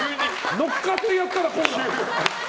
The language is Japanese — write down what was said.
乗っかってやったらこんな。